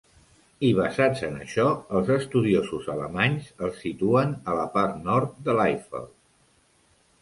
I "basats en això, els estudiosos alemanys els situen a la part nord de l'Eifel".